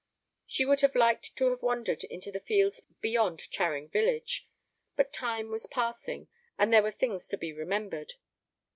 She would liked to have wandered into the fields beyond Charing village, but time was passing, and there were things to be remembered.